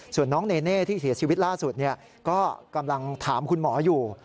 ส่วนน้องเนเน่ที่เสียชีวิตล่าสุดก็กำลังถามคุณหมออยู่